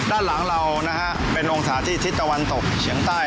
ด้านหลังเรานะฮะเป็นองศาที่ทิศตะวันตกเฉียงใต้